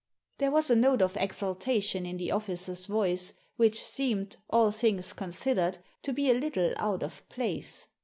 There was a note of exultation in the officer's voice which seemed, all things considered, to be a little out of place.